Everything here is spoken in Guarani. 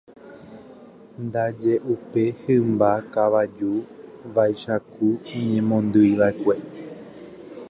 ndaje upe hymba kavaju vaicháku oñemondyiva'ekue